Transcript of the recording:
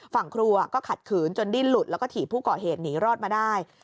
ฝั่งครัวก็ขัดขืนจนดิ้นหลุดแล้วก็ถีบผู้ก่อเหตุหนีรอดมาได้